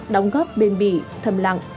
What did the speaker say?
đóng góp bền bỉ thầm lặng